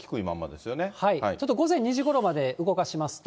ちょっと午前２時ごろまで動かしますと。